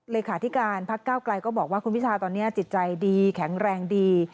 เลขาธิการพักก้าวไกลก็บอกว่าคุณพิชาตอนนี้จิตใจดีแข็งแรงดี